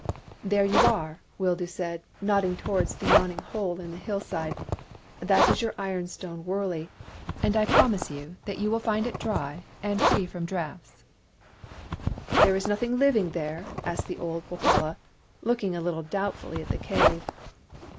" There you are," Wildoo said, nodding towards the yawning hole in the hillside. " That is your 204 THE BURNING OF THE CROWS ironstone wurley, and I will promise you that you will find it dry and free from draughts." " There is nothing living there ?" asked the old Wokala, looking a little doubtfully at the cave.